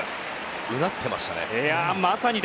うなってましたね。